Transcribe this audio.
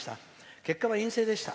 結果は陰性でした。